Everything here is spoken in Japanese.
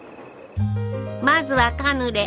まずはカヌレ。